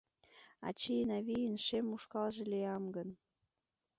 Ачийын-авийын шем ушкалже лиям гын